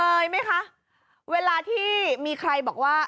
ไหมคะเวลาที่มีใครบอกว่า